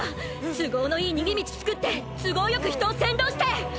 都合のいい逃げ道作って都合よく人を扇動して！！